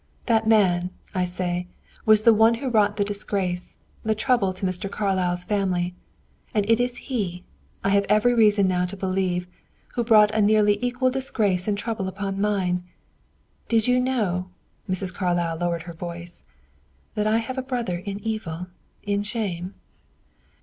That man, I say, was the one who wrought the disgrace, the trouble to Mr. Carlyle's family; and it is he, I have every reason now to believe, who brought a nearly equal disgrace and trouble upon mine. Did you know " Mrs. Carlyle lowered her voice "that I have a brother in evil in shame?"